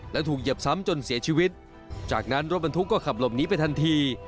และถูกเหยียบซ้ำจนเสียชีวิตจากนั้นรถบรรทุกก็ขับหลบหนีไปทันที